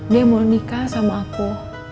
dia mau nikah sama aku